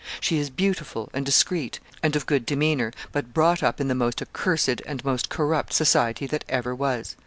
She is beautiful, and discreet, and of good demeanor, but brought up in the most accursed and most corrupt society that ever was.